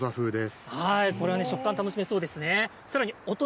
これは食感楽しめそうですね。